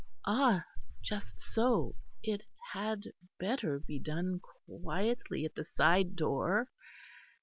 Ah! just so; it had better be done quietly, at the side door.